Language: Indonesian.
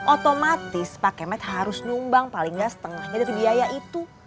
otomatis pak kemet harus nyumbang paling gak setengahnya dari biaya itu